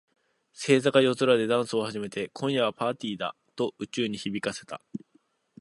星座が夜空でダンスを始めて、「今夜はパーティーだ！」と宇宙に響かせた。